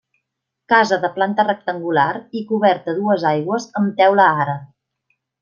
Casa de planta rectangular i coberta a dues aigües amb teula àrab.